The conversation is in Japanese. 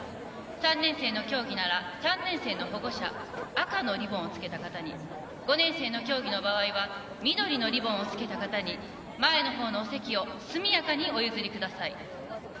３年生の競技なら３年生の保護者赤のリボンをつけた方に５年生の競技の場合は緑のリボンをつけた方に前のほうのお席を速やかにお譲りください